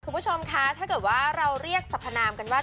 คุณผู้ชมคะถ้าเกิดว่าเราเรียกสรรพนามกันว่า